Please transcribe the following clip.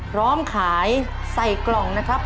พร้อมขายใส่กล่องนะครับ